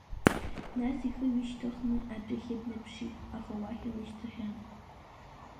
Нас ихы ҩышьҭхны адәахьы днаԥшит, аха уахь илашьцахьан.